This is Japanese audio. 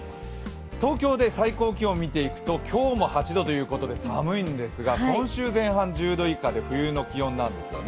東京で最高気温を見ていくと今日も８度ということで寒いんですが今週前半１０度以下で冬の気温なんですね。